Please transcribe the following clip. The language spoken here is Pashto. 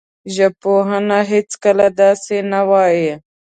ژبپوهنه هېڅکله داسې نه وايي